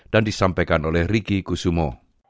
dan disampaikan oleh ricky kusumo